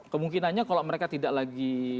kemungkinannya kalau mereka tidak lagi